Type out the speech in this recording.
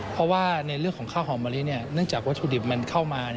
เพราะว่าในเรื่องของข้าวหอมมะลิเนื่องจากวัตถุดิบมันเข้ามา